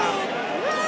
うわ！